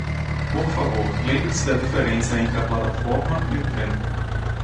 Por favor, lembre-se da diferença entre a plataforma e o trem.